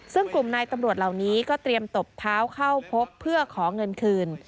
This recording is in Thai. ซึ่งกลุ่มนายตำรวจเหล่านี้ก็เตรียมตบเท้าเข้าพบเพื่อขอเงินคืน